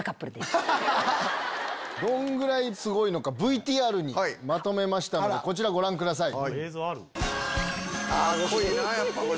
どんぐらいすごいのかＶＴＲにまとめましたのでこちらご覧ください。